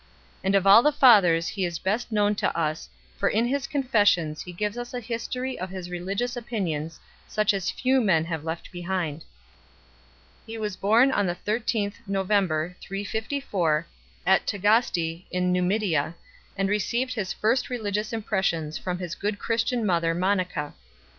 And of all the Fathers he is best known to us, for in his Confessions he gives us a history of his religious opinions such as few men have left behind. He was born on the 13th Nov., 354, at Tagaste in Numidia, and received his first religious impressions Trom his good Christian mother Monica